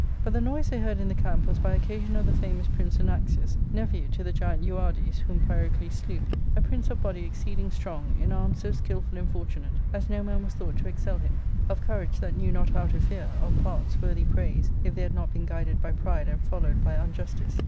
But the noise they heard in the camp was by occasion of the famous Prince Anaxius, nephew to the giant Euardes, whom Pyrocles slew ; a prince of body exceeding strong, in arms so skilful and fortunate as no man was thought to excel him, of courage that knew not how to fear, of parts worthy praise, if they had not been guided by pride and fol lowed by unjustice.